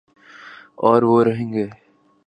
اوروہ رہیں گے